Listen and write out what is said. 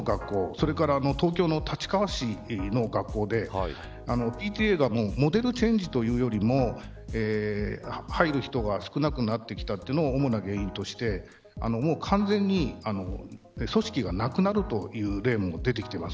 それから東京の立川市の学校でＰＴＡがモデルチェンジというよりも入る人が少なくなってきたというのを主な原因として完全に組織がなくなるという例も出てきています。